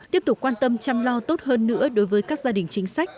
tiếp tục quan tâm chăm lo tốt hơn nữa đối với các gia đình chính sách